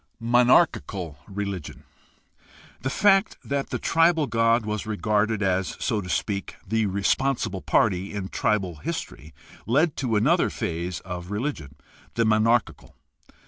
c) Monarchical religion. — The fact that the tribal god was regarded as, so to speak, the responsible party in tribal history led to another phase of religion, the monarchical.